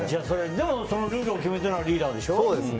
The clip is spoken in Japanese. そのルールを決めたのはリーダーでしょ。